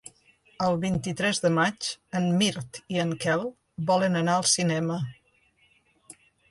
El vint-i-tres de maig en Mirt i en Quel volen anar al cinema.